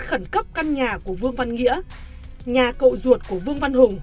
khẩn cấp căn nhà của vương văn nghĩa nhà cậu ruột của vương văn hùng